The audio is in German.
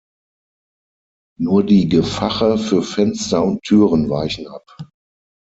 Nur die Gefache für Fenster und Türen weichen ab.